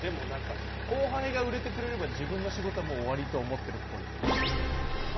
後輩が売れてくれれば自分の仕事はもう終わりと思ってるっぽい。